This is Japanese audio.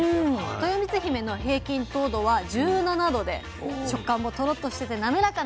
とよみつひめの平均糖度は１７度で食感もトロッとしてて滑らかなのが特徴です。